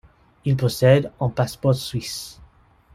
Il possède un passeport suisse.